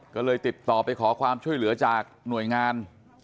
ก็เลยติดต่อไปขอความช่วยเหลือจากหน่วยงาน